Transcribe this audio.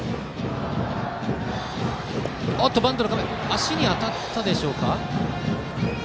足に当たったでしょうか。